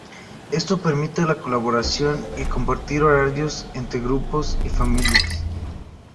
Esto permite la colaboración y compartir horarios entre grupos o familias.